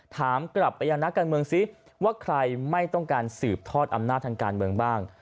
ถามกลับไปยังนักการเมืองซิว่าใครไม่ต้องการสืบทอดอำนาจทางการเมืองบ้าง